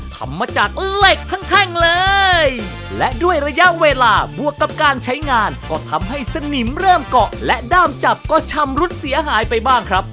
ทำมาจากเหล็กแท่งแท่งเลยและด้วยระยะเวลาบวกกับการใช้งานก็ทำให้สนิมเริ่มเกาะและด้ามจับก็ชำรุดเสียหายไปบ้างครับ